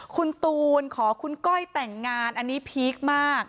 คุณตูนขอคุณก้อยแต่งงานอันนี้พีคมาก